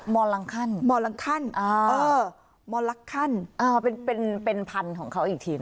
มอลังคันอ่ามอลังคันอ่าเป็นพันธุ์ของเขาอีกทีเนี่ย